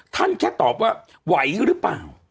แค่ตอบว่าไหวหรือเปล่า